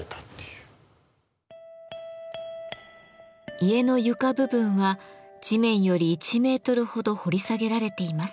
家の床部分は地面より１メートルほど掘り下げられています。